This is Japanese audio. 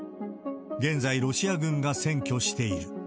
現在、ロシア軍が占拠している。